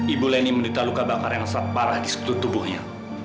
ibu leni menderita luka bakar yang sangat parah di seketut tubuhnya